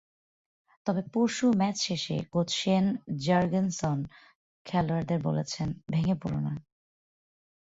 তবে পরশু ম্যাচ শেষে কোচ শেন জার্গেনসেন খেলোয়াড়দের বলেছেন, ভেঙে পড়ো না।